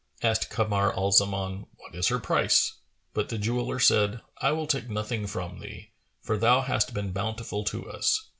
Asked Kamar al Zaman, "What is her price?"; but the jeweller said, "I will take nothing from thee, for thou hast been bountiful to us."